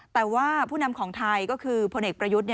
แต่ว่าผู้นำของไทยก็คือพลเอกประยุทธ์